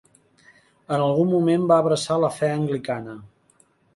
En algun moment va abraçar la fe anglicana.